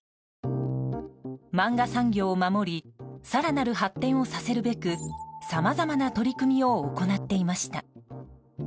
漫画産業を守り更なる発展をさせるべくさまざまな取り組みを行っていました。